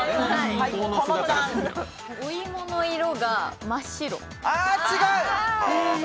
お芋の色が真っ白？